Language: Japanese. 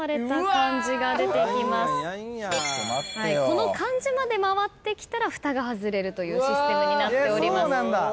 この漢字まで回ってきたらふたが外れるというシステムになっております。